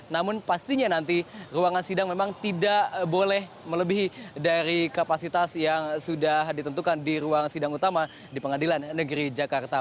namun pastinya nanti ruangan sidang memang tidak boleh melebihi dari kapasitas yang sudah ditentukan di ruang sidang utama di pengadilan negeri jakarta